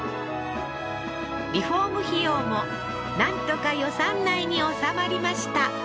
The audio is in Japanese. リフォーム費用もなんとか予算内に収まりました